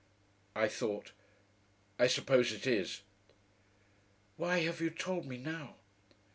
I thought. "I suppose it is." "Why have you told me now?"